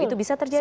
itu bisa terjadi